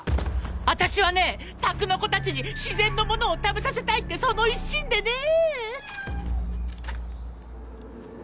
私はね宅の子たちに自然のものを食べさせたいってその一心でねぇ。